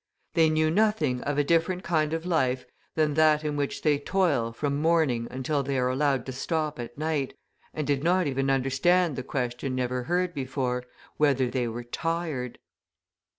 They knew nothing of a different kind of life than that in which they toil from morning until they are allowed to stop at night, and did not even understand the question never heard before, whether they were tired.